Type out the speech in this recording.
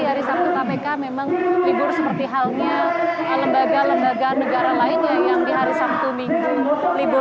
hari sabtu kpk memang libur seperti halnya lembaga lembaga negara lainnya yang di hari sabtu minggu libur